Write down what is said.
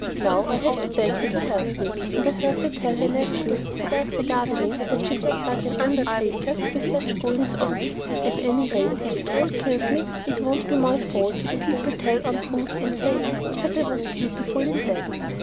Now I have to beg her to help me, and I heard her tell her nephew, who does the gardening, that she felt like an undertaker with such goings on. At any rate, if it all kills me it won't be my fault if people tell untruths in saying that I was "beautiful in death."